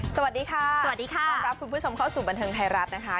สวัสดีค่ะสวัสดีค่ะต้อนรับคุณผู้ชมเข้าสู่บันเทิงไทยรัฐนะคะ